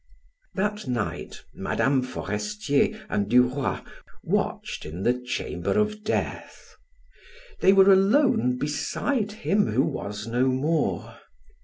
That night Mme. Forestier and Duroy watched in the chamber of death. They were alone beside him who was no more.